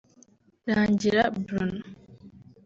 Rangira Bruno